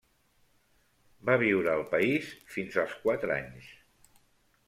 Va viure al país fins als quatre anys.